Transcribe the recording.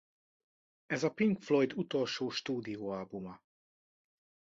Ez a Pink Floyd utolsó stúdióalbuma.